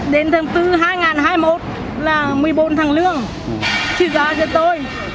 đến tháng bốn hai nghìn hai mươi một là một mươi bốn tháng lương trị giá cho tôi